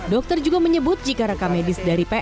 dokter juga menyebut jika reka medis dari ps